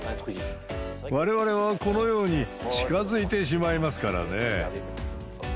われわれはこのように近づいてしまいますからね。